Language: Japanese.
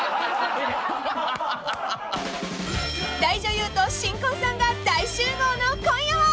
［大女優と新婚さんが大集合の今夜は］